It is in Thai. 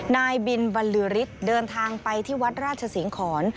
นายบินบรรลือฤทธิ์เดินทางไปที่วัดราชสิงหอน